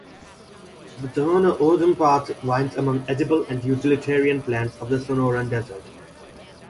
The Tohono O'odham Path winds among edible and utilitarian plants of the Sonoran Desert.